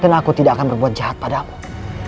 karena aku seperti lo husband kalian